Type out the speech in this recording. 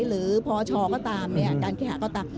หรือพชก็ตามการเคหาก็ตาม